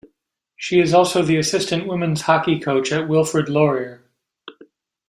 She is also the Assistant Women's hockey coach at Wilfrid Laurier.